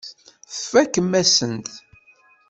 Tfakemt-as-tent.